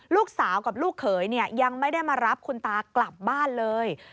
ลูกสาวกับลูกเขยยังไม่ได้มารับคุณตากลับบ้านเลย